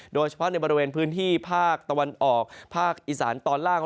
โดยเฉพาะในบริเวณพื้นที่ภาคตะวันออกภาคอีสานตอนล่าง